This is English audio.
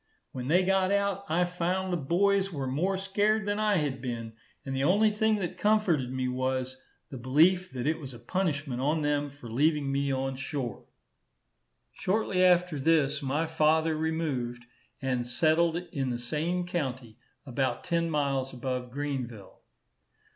When they got out, I found the boys were more scared than I had been, and the only thing that comforted me was, the belief that it was a punishment on them for leaving me on shore. Shortly after this, my father removed, and settled in the same county, about ten miles above Greenville.